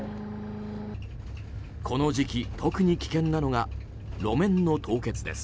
この時期、特に危険なのが路面の凍結です。